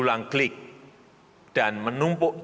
nilai nilai luhur bangsa tidak boleh dipertukarkan